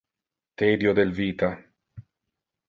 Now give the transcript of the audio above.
Tedio del vita.